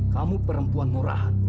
kamu perempuan murahan